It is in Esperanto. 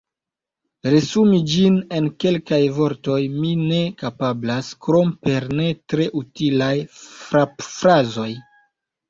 Resumi ĝin en kelkaj vortoj mi ne kapablas, krom per ne tre utilaj frapfrazoj.